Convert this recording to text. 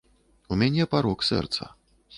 У мяне парок сэрца.